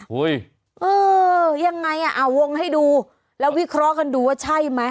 เออยังไงอ่ะอ่าวงให้ดูแล้ววิเคราะห์กันดูว่าใช่ไหม